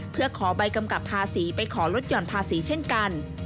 เพื่อขอใบกำกับภาษีไปขอลดหย่อนภาษีเช่นกัน